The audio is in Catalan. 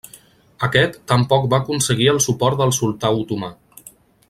Aquest tampoc va aconseguir el suport del sultà otomà.